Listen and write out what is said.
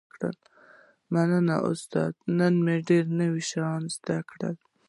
مننه استاده نن مو ډیر نوي شیان زده کړل